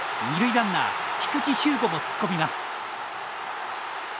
ランナー菊地彪吾も突っ込みます。